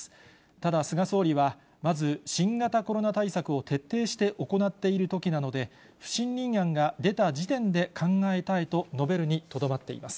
ただ、菅総理はまず新型コロナ対策を徹底して行っているときなので、不信任案が出た時点で考えたいと述べるにとどまっています。